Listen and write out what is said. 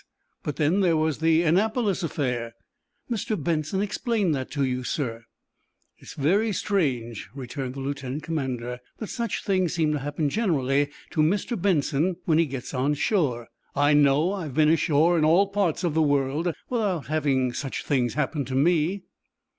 But then there was the Annapolis affair." "Mr. Benson explained that to you, sir." "It's very strange," returned the lieutenant commander, "that such things seem to happen generally to Mr. Benson when he gets on shore. I know I have been ashore, in all parts of the world, without having such things happen to me."